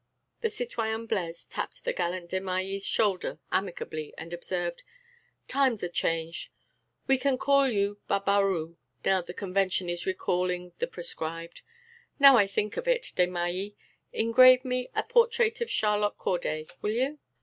The citoyen Blaise tapped the gallant Desmahis' shoulder amicably, and observed: "Times are changed. We can call you Barbaroux now the Convention is recalling the proscribed.... Now I think of it, Desmahis, engrave me a portrait of Charlotte Corday, will you?"